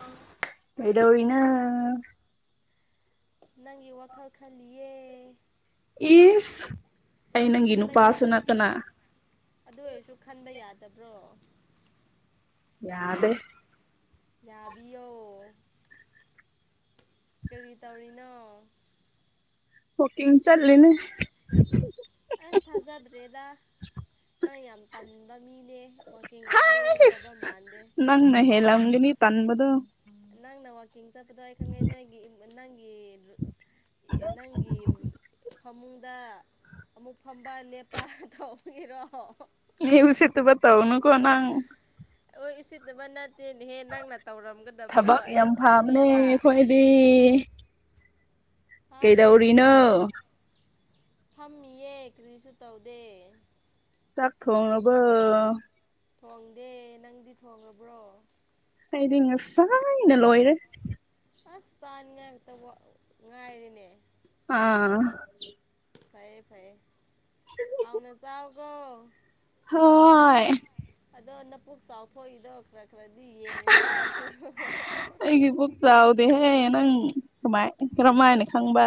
ꯑ ꯑꯦꯗꯣ ꯏꯅ ꯅꯪꯒꯤ ꯋꯥꯈꯜ ꯈꯜꯂꯤꯌꯦ ꯏ ꯈꯟꯕ ꯌꯥ ꯑꯗꯨ ꯑꯣꯏꯔꯁꯨ ꯈꯟꯕ ꯌꯥꯗꯕ꯭ꯔꯣ ꯌꯥꯗꯦ ꯌꯥꯅꯥꯕꯤꯌꯣ ꯀꯔꯤ ꯇꯧꯔꯤꯅꯣ ꯍꯀꯤ ꯆꯜꯂꯤꯅꯦ ꯑꯁ ꯊꯥꯖꯗ꯭ꯔꯦꯗ ꯅꯪ ꯌꯥꯝ ꯇꯟꯕ ꯃꯤꯅꯦ ꯋꯥꯛꯀꯤꯡꯒ ꯆꯠꯂꯝꯒꯗꯕ ꯃꯥꯟꯗꯦ ꯍꯦꯂ ꯅꯤ ꯄꯟꯝꯕꯗꯣ ꯅꯪ ꯅꯋꯥ ꯀꯤꯡ ꯆꯠꯄꯗꯣ ꯑꯩ ꯈꯪꯅꯩ ꯅꯣꯏꯒꯤ ꯅꯪꯒꯤ ꯅꯪꯒꯤ ꯐꯃꯨꯡꯗ ꯑꯃꯨꯛ ꯐꯝꯕ ꯂꯦꯞꯄ ꯇꯔꯣ ꯃꯤ ꯁꯤꯠꯇꯕꯠꯇꯧꯅ ꯀꯣꯅꯥꯪ ꯍ ꯏꯆꯦꯠꯇꯨꯕ ꯅꯠꯇꯦꯅꯦꯍꯦ ꯅꯪꯅ ꯇꯧꯔꯝꯒꯗꯕꯗꯣ ꯑꯩ ꯈꯪꯉꯦꯕ ꯑꯩ ꯍꯥ ꯀꯩꯗꯧꯔꯤꯅꯣ ꯐꯝꯃꯤꯌꯦ ꯀꯔꯤꯁꯨ ꯇꯧꯗꯦ ꯆꯥꯛ ꯊꯣꯡꯉꯕꯣ ꯊꯣꯡꯗꯦ ꯅꯪꯗꯤ ꯊꯣꯡꯉꯕ꯭ꯔꯣ ꯑꯩꯗꯤ ꯉꯁꯥꯏꯅ ꯂꯣꯏꯔꯦ ꯑꯁ ꯆꯥꯅꯤꯡꯉꯥꯏꯛꯇꯕ ꯉꯥꯏꯔꯤꯅꯦ ꯑꯥ ꯐꯩ ꯐꯩ ꯍꯥꯎꯅ ꯆꯥꯎꯀꯣ ꯍꯣꯏ ꯑꯗꯣ ꯅꯄꯨꯛ ꯆꯥꯎꯊꯣꯛꯏꯗꯣ ꯈꯔ ꯈꯔꯗꯤ ꯌꯦꯡꯉꯨꯍꯦ ꯅꯪꯁꯨ ꯑꯩꯒꯤ ꯄꯨꯛ ꯆꯥꯎꯗꯦꯍꯦ ꯅꯪ ꯀꯃꯥꯏ ꯀꯔꯝꯃꯥꯏꯅ ꯈꯪꯕ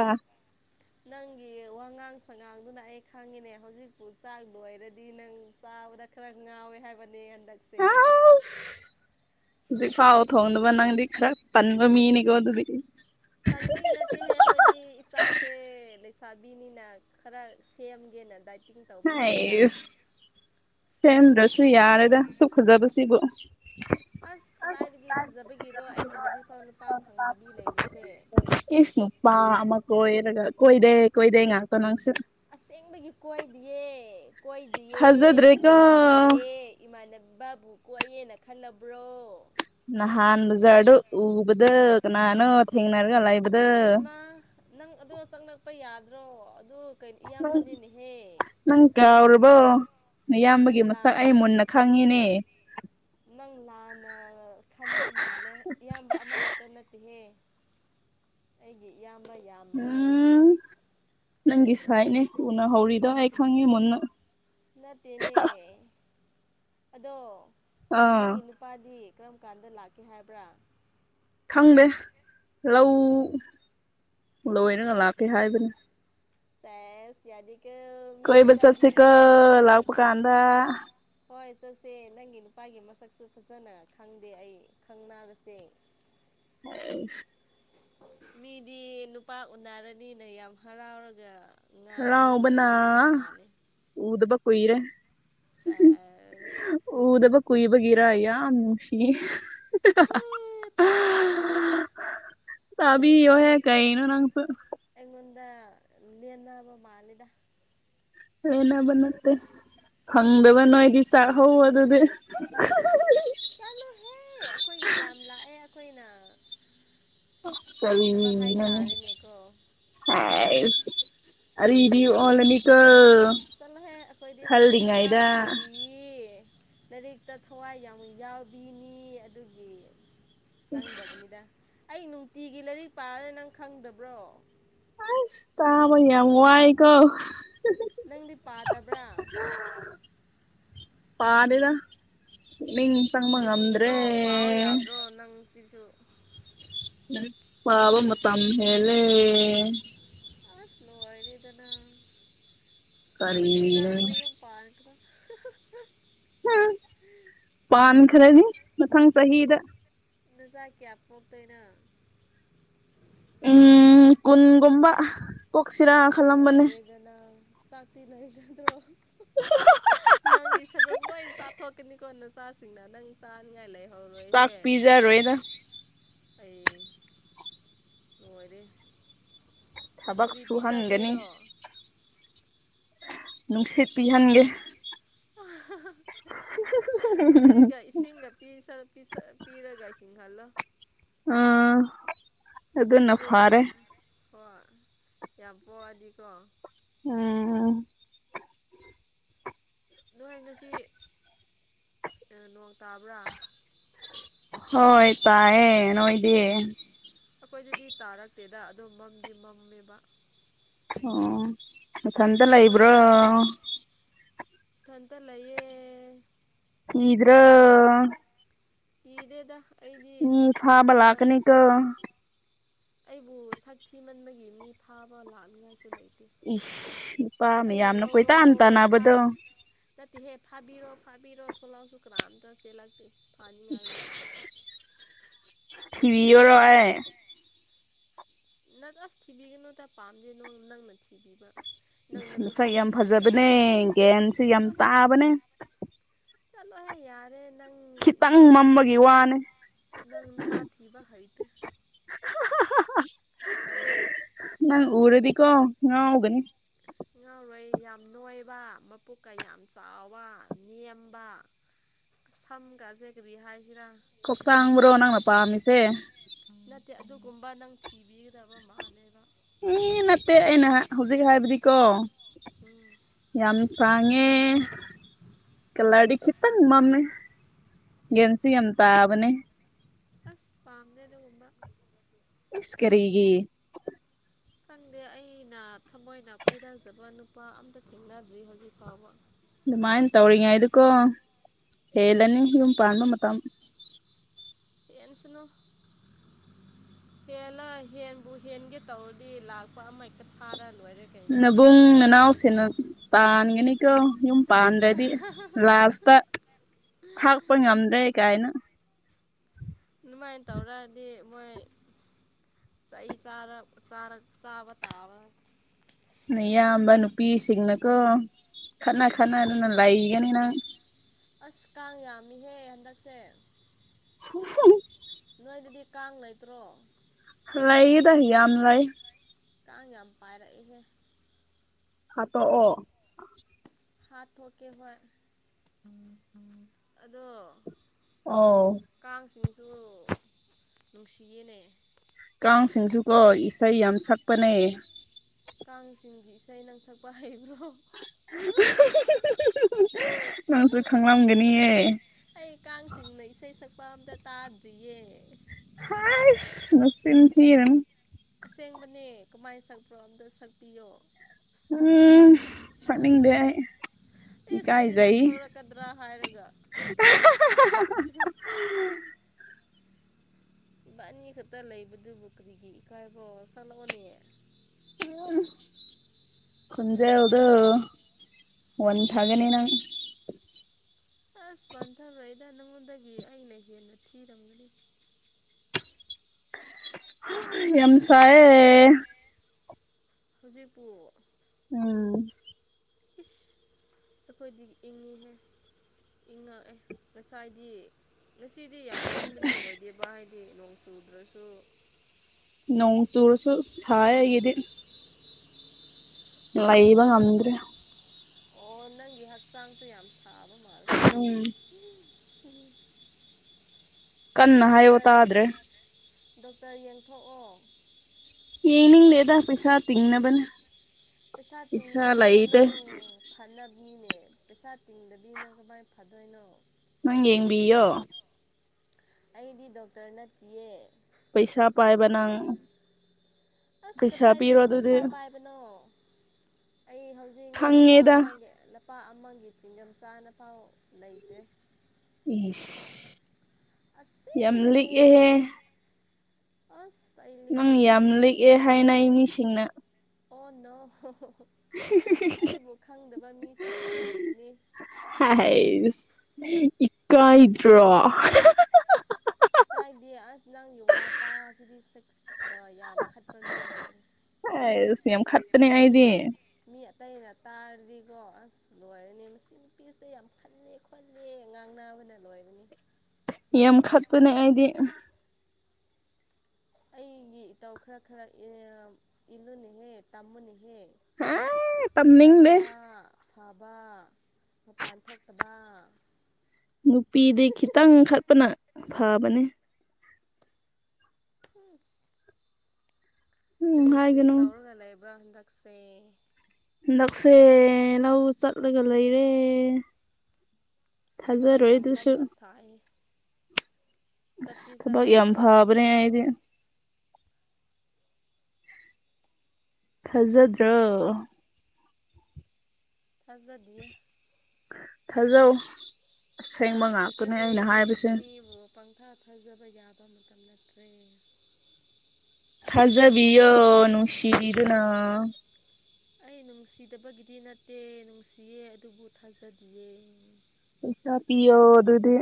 ꯅꯪꯒꯤ ꯋꯥꯉꯥꯡ ꯁꯉꯥꯡꯗꯨꯅ ꯑꯩ ꯈꯪꯉꯤꯅꯦ ꯍꯧꯖꯤꯛꯁꯨ ꯆꯥꯛ ꯂꯣꯏꯔꯗꯤ ꯅꯪ ꯆꯥꯕꯗ ꯈꯔ ꯉꯥꯎꯋꯦ ꯍꯥꯏꯕꯅꯦ ꯍꯟꯗꯛꯁꯦ ꯑꯁ ꯍꯧꯖꯤꯛ ꯐꯥꯎ ꯊꯣꯡꯗꯕ ꯅꯪꯗꯤ ꯈꯔ ꯇꯟꯕ ꯃꯤꯅꯤꯀꯣ ꯑꯗꯨꯗꯤ ꯇꯟꯕꯒꯤ ꯅꯠꯇꯦꯍꯦ ꯑꯩꯈꯣꯏꯗꯤ ꯏꯁꯥꯁꯦ ꯂꯩꯁꯥꯕꯤꯅꯤꯅ ꯈꯔ ꯁꯦꯝꯒꯦꯅ ꯗꯥꯏꯇꯤꯡ ꯇꯧꯕꯒꯤꯅꯤꯗ ꯍꯥꯏꯁ ꯁꯦꯝꯗ꯭ꯔꯁꯨ ꯌꯥꯔꯦꯗ ꯁꯨꯛ ꯐꯖꯕꯁꯤꯕꯨ ꯑꯁ ꯀꯗꯥꯏꯗꯒꯤ ꯐꯖꯕꯒꯤꯔꯣ ꯑꯩꯅ ꯍꯧꯖꯤꯛꯐꯥꯎ ꯅꯨꯄꯥ ꯐꯪꯗꯕꯤ ꯂꯩꯔꯤꯁꯦ ꯏꯁ ꯅꯨꯄꯥ ꯑꯃ ꯀꯣꯏꯔꯒ ꯀꯣꯏꯗꯦ ꯀꯣꯏꯗꯦ ꯉꯥꯛꯇꯥ ꯅꯪꯁꯨ ꯑꯁꯦꯡꯕꯒꯤ ꯀꯣꯏꯗꯤꯌꯦ ꯀꯣꯏꯗꯤꯌꯦ ꯊꯥꯖꯗ꯭ꯔꯦꯀꯣ ꯀꯣꯏꯗꯤꯌꯦ ꯏꯃꯥꯟꯅꯕꯕꯨ ꯀꯣꯏꯌꯦꯅ ꯈꯜꯂꯕ꯭ꯔꯣ ꯅꯍꯥꯟ ꯕꯖꯥꯔꯗ ꯎꯕꯗ ꯀꯅꯥꯅꯣ ꯍꯦꯡꯅꯔꯒ ꯂꯩꯕ ꯍꯩꯃꯥ ꯅꯪ ꯑꯗꯣ ꯆꯪꯂꯛꯄ ꯌꯥꯗ꯭ꯔꯣ ꯑꯗꯨ ꯀꯩꯅꯣ ꯅꯪ ꯏꯌꯥꯝꯕꯅꯤꯅꯦꯍꯦ ꯅꯪ ꯀꯥꯎꯔꯕꯣ ꯅꯪ ꯃꯌꯥꯝꯕꯒꯤ ꯃꯁꯛ ꯑꯩ ꯂꯥꯟꯅ ꯃꯨꯟꯅ ꯈꯪꯉꯤꯅꯦ ꯅꯪ ꯂꯥꯟꯅ ꯈꯟꯕ ꯃꯥꯜꯂꯦ ꯏꯌꯥꯝꯕ ꯑꯃꯈꯛꯇ ꯅꯠꯇꯦꯍꯦ ꯑꯩꯒꯤ ꯏꯌꯥꯝꯕ ꯌꯥꯝꯕꯅꯦ ꯑꯩꯗꯤ ꯅꯪ ꯁꯥꯏꯅꯦ ꯎꯅꯍꯧꯔꯤꯗꯣ ꯍꯑꯩ ꯈꯪꯏ ꯃꯨꯟꯅ ꯅꯠꯇꯦꯅꯦ ꯑꯗꯣ ꯑꯥ ꯅꯪꯒꯤ ꯅꯨ ꯅꯨꯄꯥꯗꯤ ꯀꯔꯝ ꯀꯥꯟꯗ ꯂꯥꯛꯀꯦ ꯍꯥꯏꯕ꯭ꯔꯥ ꯈꯪꯗꯦ ꯂꯧ ꯂꯣꯏꯔꯅ ꯂꯥꯛꯀꯦ ꯍꯥꯏꯕꯅꯤ ꯁꯦꯁ ꯌꯥꯗꯦ ꯀꯣ ꯀꯣꯏꯕ ꯆꯠꯁꯤꯀꯣ ꯂꯥꯛꯄ ꯀꯥꯟꯗ ꯍꯣꯏ ꯆꯠꯁꯦ ꯅꯪꯒꯤ ꯅꯨꯄꯥꯒꯤ ꯃꯁꯛꯁꯨ ꯐꯖꯅ ꯈꯪꯗꯦ ꯑꯩ ꯈꯪ ꯅꯥꯔꯁꯦ ꯑꯁ ꯃꯤꯗꯤ ꯅꯨꯄꯥ ꯎꯅꯔꯅꯤꯅ ꯌꯥꯝ ꯍꯔꯥꯎꯔꯒ ꯉꯥꯏꯔꯒ ꯍꯔꯥꯎꯕꯅ ꯂꯩꯕ ꯃꯤ ꯃꯥꯜꯂ ꯎꯗꯕ ꯀꯨꯏꯔꯦ ꯁꯦꯁ ꯎꯗꯕ ꯀꯨꯏꯕꯒꯤꯔ ꯌꯥꯝ ꯅꯨꯡꯁꯤ ꯍꯣꯏ ꯇꯥꯕ ꯉꯝꯗ꯭ꯔꯦꯗ ꯇꯕꯤ ꯑꯣ ꯅꯪꯁꯤꯗꯤ ꯍꯦ ꯀꯥꯏꯅꯣ ꯅꯪꯁꯨ ꯑꯩꯉꯣꯟꯗ ꯂꯦꯟꯅꯕ ꯃꯥꯂꯦꯗ ꯂꯦꯟꯅꯕ ꯅꯠꯇꯦ ꯐꯪꯗꯕ ꯅꯣꯏꯒꯤ ꯆꯥꯛꯍꯧꯕ ꯑꯗꯨꯗꯤ ꯆꯠꯂꯨꯍꯦ ꯑꯩꯈꯣꯏꯒꯤ ꯌꯥꯝ ꯂꯥꯛꯑꯦ ꯑꯩꯈꯣꯏꯅ ꯄꯥꯝꯗꯕ ꯍꯥꯏꯇꯥꯔꯦꯅꯦꯀꯣ ꯍꯥꯁ ꯑꯩꯈꯣꯏꯗꯤ ꯑꯔꯤꯕꯤ ꯍꯧꯖꯤꯛ ꯑꯣꯜꯂꯅꯤꯀꯣ ꯆꯠꯂꯣꯍꯦ ꯈꯜꯗꯤꯉꯥꯏꯗ ꯏ ꯂꯥꯏꯔꯤꯛꯇ ꯊꯋꯥꯏ ꯌꯥꯝ ꯌꯥꯎꯕꯤꯅꯤ ꯑꯗꯨꯒꯤ ꯆꯪꯗꯕꯅꯤꯗ ꯑꯩ ꯅꯨꯡꯇꯤꯒꯤ ꯂꯥꯏꯔꯤꯛ ꯄꯥꯔꯦ ꯅꯪ ꯈꯪꯗꯕ꯭ꯔꯣ ꯑꯁ ꯇꯥꯕ ꯌꯥꯝ ꯋꯥꯏꯀꯣ ꯅꯪꯗꯤ ꯄꯥꯗꯕ꯭ꯔꯥ ꯄꯥꯗꯦꯗ ꯄꯨꯛꯅꯤꯡ ꯆꯪꯕ ꯉꯝꯗ꯭ꯔꯦ ꯀꯔꯤꯒꯤꯅꯣ ꯄꯥꯎ ꯌꯥꯗ꯭ꯔꯣ ꯅꯪ ꯁꯤꯁꯨ ꯂꯥꯔꯤꯛ ꯄꯥꯕ ꯃꯇꯝ ꯍꯦꯜꯂꯦ ꯑꯁ ꯂꯣꯏꯔꯦꯗꯅ ꯑꯗꯨꯗꯤ ꯀꯔꯤꯅꯣ ꯅꯪ ꯅꯌꯨꯝ ꯄꯥꯟꯈꯔꯣ ꯍꯝ ꯄꯥꯟꯈ꯭ꯔꯅꯤ ꯃꯊꯪ ꯆꯍꯤꯗ ꯅꯖꯥ ꯀꯌꯥ ꯄꯣꯛꯇꯣꯏꯅꯣ ꯎꯝ ꯀꯨꯟꯒꯨꯝꯕ ꯄꯣꯛꯁꯤꯔꯥ ꯈꯜꯂꯝꯕꯅꯦ ꯑꯗꯨ ꯅꯪ ꯁꯥꯥꯛꯇꯤ ꯅꯩꯒꯗ꯭ꯔꯣ ꯅꯪꯗꯤ ꯁꯔꯨꯛ ꯂꯣꯏ ꯆꯥꯊꯣꯛꯀꯅꯤꯀꯣ ꯅꯆꯥꯁꯤꯡꯅ ꯅꯪ ꯆꯥꯅꯤꯡꯉꯥꯏ ꯂꯩ ꯆꯥꯛ ꯍꯧꯔꯣꯏꯍꯦ ꯄꯤꯖꯔꯣꯏꯗ ꯑꯩ ꯂꯣꯏꯔꯦ ꯊꯕꯛ ꯀꯔꯤ ꯁꯨꯍꯟꯒꯅꯤ ꯄꯤꯖꯗꯣꯏꯔꯣ ꯅꯨꯡꯁꯤꯠ ꯄꯤꯍꯟꯒꯦ ꯅꯨꯡꯁꯤꯠꯒ ꯏꯁꯤꯡꯒ ꯄꯤ ꯁ ꯄꯤꯊꯛ ꯑ ꯄꯤꯔꯒ ꯍꯤꯡ ꯍꯜꯂꯣ ꯑꯥ ꯑꯗꯨꯅ ꯑꯗꯨꯒ ꯐꯔꯦ ꯍꯣꯏ ꯌꯥꯝ ꯄꯣꯛꯑꯗꯤꯀꯣ ꯎꯝ ꯅꯣꯏ ꯉꯁꯤ ꯑ ꯅꯣꯡ ꯇꯥꯕ꯭ꯔꯥ ꯍꯣꯏ ꯇꯥꯏꯌꯦ ꯅꯣꯏꯗꯤ ꯑꯩꯈꯣꯏꯗꯗꯤ ꯇꯥꯔꯛꯇꯦꯗ ꯑꯗꯣ ꯃꯝꯗꯤ ꯃꯝꯃꯦꯕ ꯑꯣ ꯅꯊꯟꯇ ꯂꯩꯕ꯭ꯔꯣ ꯅꯣꯏꯗ ꯏꯊꯟꯇ ꯂꯩꯌꯦ ꯀꯤꯗꯔꯣ ꯀꯤꯗꯦꯗ ꯑꯩꯗꯤ ꯃꯤ ꯐꯥꯕ ꯀꯤꯕ ꯂꯥꯛꯀꯅꯤꯀꯣ ꯑꯩꯕꯨ ꯁꯛ ꯊꯤ ꯃꯟꯕꯒꯤ ꯃꯤ ꯐꯥꯕ ꯂꯥꯛꯅꯤꯉꯥꯏꯁꯨ ꯂꯩꯇꯦ ꯏꯁ ꯅꯨꯄꯥ ꯑꯩꯅ ꯃꯌꯥꯝꯅ ꯀꯣꯏ ꯂꯧꯔꯣ ꯇꯥꯟ ꯂꯧꯔꯣ ꯐꯥ ꯇꯥꯟꯅꯕꯗꯣ ꯅꯠꯇꯦꯍꯦ ꯐꯥꯕꯤꯔꯣ ꯐꯥꯕꯤꯔꯣ ꯊꯣꯛꯂꯛꯑꯁꯨ ꯀꯅꯥꯝꯇ ꯆꯦꯜꯂꯛꯇꯦ ꯐꯥꯅꯤꯉꯥꯏꯒꯤ ꯊꯤꯚꯤꯌꯣꯔꯣ ꯑꯩ ꯅꯪ ꯑꯁ ꯊꯤꯕꯤꯒꯅꯨ ꯇ ꯄꯥꯝꯗꯦ ꯅꯣ ꯅꯪꯅ ꯊꯤꯕꯤꯕ ꯅꯪ ꯅꯃꯤꯠ ꯃꯁꯛ ꯌꯥꯝ ꯈꯨꯊꯤꯗꯨꯒ ꯐꯖꯕꯅꯦ ꯒ꯭ꯌꯥꯟꯁꯦ ꯌꯥꯝ ꯆꯠꯂꯣꯍꯦ ꯇꯥꯕꯅꯦ ꯆꯠꯂꯣꯍꯦ ꯌꯥꯔꯦ ꯅꯪ ꯈꯤꯇꯪ ꯅꯪ ꯃꯝꯕꯒꯤ ꯋꯥꯅꯦ ꯅꯪ ꯅꯨꯄꯥ ꯊꯤꯕ ꯍꯩꯇꯦ ꯇꯜꯂꯦ ꯅꯪ ꯎꯔꯗꯤꯀꯣ ꯉꯥꯎꯒꯅꯤ ꯉꯥꯎꯔꯣꯏ ꯌꯥꯝ ꯅꯣꯏꯕ ꯃꯄꯨꯛꯀ ꯌꯥꯝ ꯆꯥꯎꯕ ꯅꯦꯝꯕ ꯁꯝꯒꯖꯦ ꯍꯥꯏꯁꯤꯔꯥ ꯀꯣꯛꯇꯥꯡꯕ꯭ꯔꯣ ꯌꯥꯝꯅ ꯅꯪꯅ ꯄꯥꯝꯃꯤꯁꯦ ꯅꯠꯇꯦ ꯑꯗꯨꯒꯨꯝꯕ ꯅꯪ ꯊꯤꯕꯤꯒꯗꯕ ꯃꯥꯜꯂꯦꯕ ꯏ ꯅꯠꯇꯦ ꯑꯩ ꯅꯍꯥꯛ ꯍꯧꯖꯤꯛ ꯍꯥꯏꯕꯗꯤꯀꯣ ꯎꯝ ꯌꯥꯝ ꯁꯥꯡꯉꯦ ꯀꯂꯔꯗꯤ ꯈꯤꯇꯪ ꯃꯝꯃꯦ ꯒꯌꯥꯟꯁꯨ ꯌꯥꯝ ꯇꯥꯕꯅꯦ ꯑꯁ ꯄꯥꯝꯗꯦ ꯑꯗꯨꯒꯨꯝꯕ ꯀꯔꯤꯒꯤ ꯈꯪꯗꯦ ꯑꯩꯅ ꯊꯃꯣꯏꯅ ꯈꯣꯏꯗꯖꯥꯕ ꯅꯨꯄꯥ ꯑꯝꯇꯥ ꯊꯦꯡꯅꯗ꯭ꯔꯤ ꯍꯧꯖꯤꯛ ꯐꯥꯎꯕ ꯑꯗꯨꯃꯥꯏꯟ ꯇꯧꯔꯤꯉꯩꯗꯀꯣ ꯍꯦꯜꯂꯅꯤ ꯌꯨꯝ ꯄꯥꯟꯕ ꯃꯇꯝ ꯍꯦꯟꯁꯅꯨ ꯍꯦꯜꯂꯥ ꯍꯦꯟꯕꯨ ꯍꯦꯟꯒꯦ ꯇꯧꯔꯗꯤ ꯂꯥꯛꯄ ꯑꯃ ꯍꯦꯛ ꯅꯕꯨꯡ ꯅꯅꯥꯎ ꯁꯦꯟꯅ ꯇꯥꯟꯒꯅꯤꯀꯣ ꯌꯨꯝ ꯄꯥꯟꯗ꯭ꯔꯗꯤ ꯂꯥꯁꯇꯥ ꯊꯥꯛꯄ ꯉꯝꯗ꯭ꯔꯦ ꯀꯥꯏꯅ ꯑꯗꯨꯃꯥꯏꯟ ꯇꯧꯔꯛꯑꯗꯤ ꯃꯣꯏ ꯆꯩ ꯆꯥꯔꯞ ꯆꯥꯔꯛ ꯆꯥꯕ ꯇꯥꯕ ꯅꯥꯌꯥꯝꯕ ꯅꯨꯄꯤꯁꯤꯡꯅꯀꯣ ꯈꯠꯅ ꯈꯠꯅꯗꯅ ꯂꯩꯒꯅꯤ ꯅꯪ ꯑꯁ ꯀꯥꯡ ꯌꯥꯝꯃꯤꯍꯦ ꯍꯟꯗꯛꯁꯦ [unintelligible] ꯅꯣꯏꯗꯗꯤ ꯀꯥꯡ ꯂꯩꯇ꯭ꯔꯣ ꯂꯩꯌꯦꯗꯥ ꯌꯥꯝ ꯂꯩꯥ ꯂꯩ ꯀꯥꯡ ꯌꯥꯝ ꯄꯥꯏꯔꯛꯑꯦꯍꯦ ꯍꯥꯠꯇꯣꯛꯑꯣ ꯍꯥꯊꯣꯛꯀꯦ ꯍꯣꯏ ꯑꯗꯣ ꯑꯧ ꯀꯥꯡꯁꯤꯡꯁꯨ ꯅꯨꯡꯁꯤꯌꯦꯅꯦ ꯀꯥꯡꯁꯤꯡꯁꯨꯀꯣ ꯏꯁꯩ ꯌꯥꯝ ꯁꯛꯄꯅꯦ ꯀꯥꯡꯁꯤꯡꯒꯤ ꯏꯁꯩ ꯅꯪ ꯁꯛꯄ ꯍꯩꯕ꯭ꯔꯣ ꯑꯍ ꯍꯨꯡ ꯍꯨꯡ ꯍꯨꯡ ꯍꯨꯡ ꯍꯨꯡ ꯍꯍ ꯅꯪꯁꯨ ꯈꯥꯡꯂꯝꯒꯅꯤꯌꯦ ꯑꯩ ꯀꯥꯡꯁꯤꯡꯅ ꯏꯁꯩ ꯁꯛꯄ ꯑꯝꯇ ꯇꯥꯗ꯭ꯔꯤꯌꯦ ꯍꯥꯏꯁ ꯅꯆꯤꯟ ꯊꯤꯔꯅꯨ ꯑꯁꯦꯡꯕꯅꯦ ꯀꯃꯥꯏ ꯁꯛꯄ꯭ꯔꯣ ꯑꯝꯇ ꯁꯛꯄꯤꯌꯣ ꯎꯝ ꯁꯛꯅꯤꯡꯗꯦ ꯑꯩ ꯏꯁ ꯑꯩꯗꯤ ꯏꯀꯥꯏꯖꯩ ꯁꯛꯇꯣꯔꯛꯀꯗ꯭ꯔꯥ ꯍꯥꯏꯔꯒ [unintelligible] ꯏꯕꯥꯟꯅꯤ ꯈꯛꯇꯥ ꯂꯩꯕꯗꯨꯕꯨ ꯀꯔꯤꯒꯤ ꯏꯀꯥꯏꯕ꯭ꯔꯣ ꯁꯛꯂꯛꯑꯣꯅꯦ [unintelligible] ꯈꯣꯟꯖꯦꯜꯗꯣ ꯋꯟꯊꯥꯒꯅꯤ ꯅꯪ ꯑꯁ ꯋꯟꯊꯥꯔꯣꯏꯗ ꯅꯪꯉꯣꯟꯗꯒꯤ ꯑꯩꯅ ꯍꯦꯟꯅ ꯊꯤꯔꯝꯒꯅꯤ ꯍꯍ ꯌꯥꯝ ꯁꯥꯏꯌꯦ ꯍꯨꯖꯤꯛꯄꯨ ꯎꯝ ꯀꯤꯁ ꯑꯈꯣꯏꯗꯤ ꯏꯪꯉꯤꯍꯦ ꯏꯪꯉꯛꯑꯦ ꯉꯁꯥꯏꯗꯤ ꯉꯁꯤꯗꯤ ꯌꯥꯝ ꯏꯪꯕꯗꯤ ꯑꯣꯏꯗꯦꯕ ꯍꯥꯏꯗꯤ ꯅꯣꯡ ꯆꯨꯗ꯭ꯔꯁꯨ ꯅꯣꯡ ꯆꯨꯔꯁꯨ ꯁꯥꯏ ꯑꯩꯒꯤꯗꯤ ꯂꯩꯕ ꯅꯪꯒꯤꯕꯨ ꯉꯝꯗ꯭ꯔꯦ ꯑꯣ ꯅꯪꯒꯤ ꯍꯛꯆꯥꯡꯁꯦ ꯌꯥꯝ ꯁꯥꯕ ꯃꯥꯜꯂꯦ ꯎꯝ ꯀꯟꯅ [unintelligible] ꯍꯥꯏꯌꯣ ꯗꯣꯛꯇꯔ ꯅꯪꯅ ꯍꯥꯏꯕ ꯇꯥꯗ꯭ꯔꯦ ꯗꯣꯛꯇꯔ ꯌꯦꯡꯊꯣꯛꯑꯣ ꯌꯦꯡꯅꯤꯡꯗꯦꯗꯥ ꯄꯩꯁꯥ ꯇꯤꯡꯅꯕꯅꯦ ꯄꯩꯁꯥ ꯇꯤꯡꯕꯗꯣ ꯅꯪ ꯐꯅꯕꯅꯤꯅꯦ ꯄꯩꯁꯥ ꯇꯤꯡꯗꯕꯤ ꯅꯪ ꯀꯃꯥꯏ ꯐꯗꯣꯏꯅꯣ ꯅꯪ ꯌꯦꯡꯕꯤꯌꯣ ꯑꯩꯗꯤ ꯗꯣꯛꯇꯔ ꯅꯠꯇꯤꯌꯦ ꯄꯩꯁꯥ ꯄꯥꯏꯕ ꯅꯪ ꯑꯁ ꯄꯩꯁꯥ ꯄꯤꯔꯣ ꯀꯗꯥꯏꯗꯒꯤ ꯑꯗꯨꯗꯤ ꯄꯩꯁꯥ ꯄꯥꯏꯕꯅꯣ ꯑꯩ ꯍꯧꯖꯤꯛꯅꯦ ꯂꯨꯄꯥ ꯈꯪꯉꯦꯗ ꯑꯃꯒꯤ ꯂꯄꯥ ꯑꯃꯒꯤ ꯆꯤꯡꯒꯝ ꯆꯥꯅ ꯐꯥꯎ ꯂꯩꯇꯦ ꯏꯁ ꯌꯥꯝ ꯑꯁꯦꯡꯕꯅꯦ ꯂꯤꯛꯑꯦꯍꯦ ꯑꯁ ꯑꯩꯗꯤ ꯅꯪ ꯌꯥꯝ ꯂꯤꯛꯑꯦ ꯍꯥꯏꯅꯩ ꯃꯤꯁꯤꯡꯅ ꯑꯣ ꯅꯣ ꯑꯩꯕꯨ ꯈꯪꯗꯕ ꯃꯤꯁꯤꯡꯅ ꯑꯣꯏꯔꯝꯒꯅꯤ ꯍꯁ ꯏꯀꯥꯏ꯭ꯗꯔꯣ ꯏꯀꯥꯏꯗꯦ ꯑꯁ ꯅꯪꯒꯤ ꯋꯥ ꯇꯥꯁꯤꯗꯤ ꯁꯤꯛꯁ ꯌꯥꯝ ꯈꯠꯄ ꯃꯤ ꯃꯥꯂꯦ ꯏꯁ ꯌꯥꯝ ꯈꯠꯄꯅꯦ ꯑꯩꯗꯤ ꯃꯤ ꯑꯇꯩꯅ ꯇꯥꯔꯗꯤꯀꯣ ꯑꯁ ꯂꯣꯏꯔꯅꯤ ꯃꯁꯤ ꯅꯨꯄꯤꯁꯦ ꯌꯥꯝ ꯈꯠꯂꯦ ꯈꯣꯠꯂꯦ ꯉꯥꯡꯅꯥꯕꯅ ꯂꯣꯏꯔꯅꯤ ꯌꯥꯝ ꯈꯠꯄꯅꯦ ꯑꯩꯗꯤ ꯑꯩꯒꯤ ꯏꯇꯧ ꯈꯔ ꯈꯔ ꯏꯜꯂꯨꯅꯦꯍꯦ ꯇꯝꯃꯨꯅꯦꯍꯦ ꯑꯥ ꯏꯪ ꯇꯝꯅꯤꯡꯗꯦ ꯇꯞꯄ ꯐꯕ ꯃꯄꯥꯟ ꯊꯣꯛꯇꯕ ꯅꯨꯄꯤꯗꯤ ꯈꯤꯇꯪ ꯈꯠꯄꯅ ꯐꯕꯅꯦ ꯎꯝ ꯎꯝ ꯀꯔꯤ ꯀꯔꯤ ꯍꯥꯏꯒꯅꯨ ꯇꯧꯔꯒ ꯂꯩꯕ꯭ꯔꯥ ꯍꯟꯗꯛꯁꯦ ꯍꯟꯗꯛꯁꯦ ꯂꯧ ꯆꯠꯂꯒ ꯂꯩꯔꯦ ꯊꯥꯖꯔꯣꯏ ꯑꯥꯗꯨꯁꯨ ꯊꯥꯏ ꯊꯕꯛ ꯌꯥꯝ ꯆꯠꯂꯝꯃꯣꯏ ꯐꯕꯅꯦ ꯅꯪꯁꯦꯀꯣ ꯑꯩꯗꯤ ꯊꯥꯖꯗ꯭ꯔꯣ ꯊꯖꯥꯗꯤꯌꯦ ꯊꯥꯖꯧ ꯑꯁꯦꯡꯕ ꯉꯥꯛꯇꯅꯦ ꯊꯥꯖꯗꯦ ꯑꯩꯅ ꯍꯧꯖꯤꯛ ꯍꯥꯏꯕꯁꯦ ꯃꯤꯕꯨ ꯄꯪꯊꯥ ꯊꯥꯖꯕ ꯌꯥꯕ ꯃꯇꯝ ꯅꯠꯇ꯭ꯔꯦ ꯊꯖꯕꯤꯌꯣ ꯅꯨꯡꯁꯤꯕꯤꯗꯨꯅ ꯑꯩ ꯅꯨꯡꯁꯤꯗꯕꯒꯤꯗꯤ ꯅꯠꯇꯦ ꯅꯨꯡꯁꯤꯌꯦ ꯑꯗꯨꯕꯨ ꯊꯥꯖꯗꯤꯌꯦ ꯄꯩꯁꯥ ꯄꯤꯌꯣ ꯑꯗꯨꯗꯤ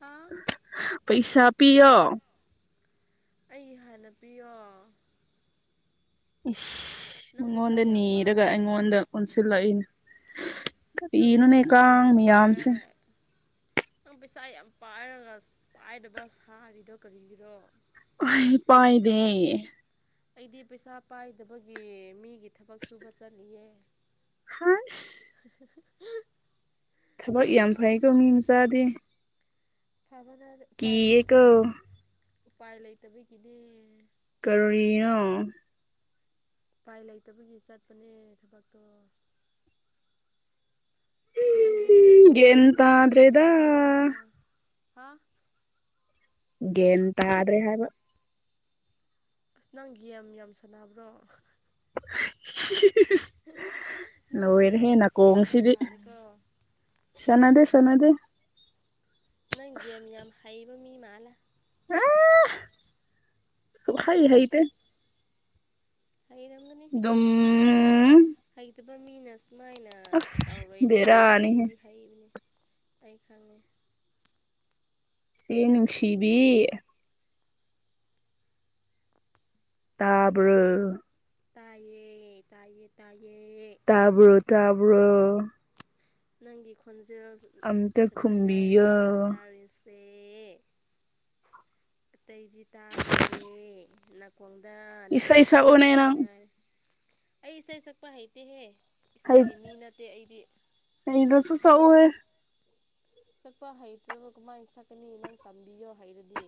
ꯍꯥꯥ ꯄꯩꯁꯥ ꯄꯤꯌꯣ ꯑꯩ ꯍꯥꯟꯅ ꯄꯤꯌꯣ ꯏꯁ ꯅꯪ ꯄꯩꯁꯥ ꯃꯉꯣꯟꯗ ꯌꯥꯝ ꯅꯤꯔꯒ ꯄꯥꯏꯕꯅꯦ ꯑꯩꯉꯣꯟꯗ ꯑꯣꯟꯁꯤꯜꯂꯛꯏꯅ ꯅꯪꯗꯣ ꯀꯔꯤꯅꯣꯅꯦ ꯄꯩꯁꯥ ꯀꯥꯡ ꯌꯥꯝ ꯃꯌꯥꯝꯁꯦ ꯄꯥꯏꯔꯒ ꯅꯪ ꯄꯩꯁꯥ ꯌꯥꯝ ꯄꯥꯏꯔꯒ ꯄꯥꯏꯗꯕ ꯁꯥꯔꯤꯗꯣ ꯀꯔꯤꯒꯤꯔꯣ ꯑꯩ ꯄꯥꯏꯗꯦ ꯑꯩꯗꯤ ꯄꯩꯁꯥ ꯄꯥꯏꯗꯕꯒꯤ ꯃꯤꯒꯤ ꯊꯕꯛ ꯁꯨꯕ ꯆꯠꯂꯤꯌꯦ ꯍꯥ ꯍꯤ ꯍꯤ ꯊꯕꯛ ꯌꯥꯝ ꯐꯩꯀꯣ ꯃꯤ ꯃꯆꯥꯗꯤ ꯐꯕꯅꯦ ꯑꯩꯗꯤ ꯎꯄꯥꯏ ꯀꯤꯌꯦꯀꯣ ꯂꯩꯇꯕꯒꯤ ꯎꯄꯥꯏ ꯂꯩꯇꯕꯒꯤꯅꯦ ꯀꯔꯤꯅꯣ ꯎꯄꯥꯏ ꯂꯩꯇꯕꯒꯤ ꯆꯠꯄꯅꯦ ꯊꯕꯛꯇꯣ ꯅꯣꯏꯗꯤ ꯒ꯭ꯌꯥꯟ ꯅꯨꯡꯉꯥꯏꯅ ꯑꯗꯨꯝ ꯇꯥꯗ꯭ꯔꯦꯗ ꯂꯩꯌꯨꯀꯣ ꯌꯨꯝꯗ ꯍꯥ ꯒꯌ꯭ꯥꯟ ꯇꯥꯗꯔ꯭ꯦ ꯍꯥꯏꯕ ꯑꯁ ꯅꯪ ꯒꯦꯝ ꯌꯥꯝ ꯁꯥꯟꯅꯕ꯭ꯔꯣ [unintelligible] ꯅꯪ ꯒꯦꯝ ꯂꯣꯏꯔꯦꯍꯦ ꯌꯥꯝ ꯁꯥꯟꯅꯕ ꯅꯥꯀꯣꯡꯁꯤꯗꯤ ꯃꯥꯜꯂꯦꯀꯣ ꯁꯅꯗꯦ ꯁꯅꯗꯦ ꯅꯪ ꯒꯦꯝ ꯌꯥꯝ ꯍꯩꯕ ꯃꯤ ꯃꯥꯜꯂꯦ ꯑꯥ ꯁꯨꯡꯍꯩ ꯍꯩꯇꯦ ꯍꯩꯔꯝꯒꯅꯤ ꯑꯗꯨꯝ ꯍꯩꯇꯕ ꯃꯤꯅ ꯁꯨꯃꯥꯏꯅ ꯑꯁ ꯇꯧꯔꯣꯏꯗ ꯅꯪ ꯕꯦꯔꯥꯅꯤꯍꯦ ꯍꯩꯗꯤ ꯍꯩꯕꯅꯤ ꯑꯩ ꯈꯪꯉꯦ ꯅꯨꯡꯁꯤꯕꯤ ꯇꯥꯕ꯭ꯔꯣ ꯇꯥꯏꯌꯦ ꯇꯥꯏꯌꯦ ꯇꯥꯏꯌꯦ ꯇꯥꯕ꯭ꯔꯣ ꯇꯥꯕ꯭ꯔꯣ ꯅꯪꯒꯤ ꯈꯣꯟꯖꯦꯜ ꯑꯝꯇ ꯈꯛꯇ ꯉꯥꯏꯔꯦ ꯈꯨꯝꯕꯤꯌꯣ ꯑꯩꯅ ꯇꯥꯔꯤꯁꯦ ꯑꯇꯩꯗꯤ ꯇꯥꯗ꯭ꯔꯦ ꯅꯥꯀꯣꯡꯗ ꯏꯁꯩ ꯅꯪꯒꯤ ꯋꯥ ꯁꯛꯎꯅꯦ ꯈꯛꯇ ꯅꯪ ꯉꯥꯏ ꯑꯩ ꯏꯁꯩ ꯁꯛꯄ ꯍꯩꯇꯦꯍꯦ ꯏꯁꯩꯒꯤ ꯃꯤ ꯅꯠꯇꯦ ꯑꯩꯗꯤ ꯂꯩꯗꯔꯥꯁꯨ ꯁꯛꯎꯍꯦ ꯁꯛꯄ ꯍꯩꯇ꯭ꯔꯕ ꯀꯃꯥꯏꯅ ꯁꯛꯀꯅꯤ ꯅꯪ ꯇꯝꯕꯤꯌꯣ ꯍꯩꯔꯗꯤ